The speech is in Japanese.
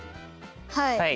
はい。